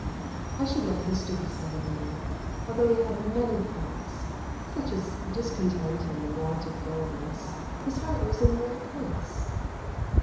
I should like this to be said of me: "Although he had many faults, such as discontent and want of boldness, his heart was in the right place."